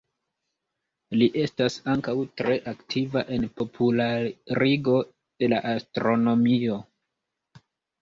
Li estas ankaŭ tre aktiva en popularigo de la astronomio.